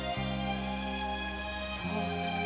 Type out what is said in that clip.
そう。